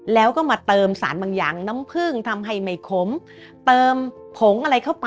แล้วก็มาเติมสารบางอย่างน้ำผึ้งทำให้ไม่ขมเติมผงอะไรเข้าไป